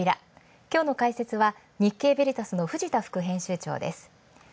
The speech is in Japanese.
今日の解説は日経ヴェリタスの藤田副編集長です。